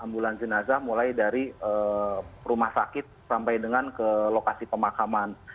ambulan jenazah mulai dari rumah sakit sampai dengan ke lokasi pemakaman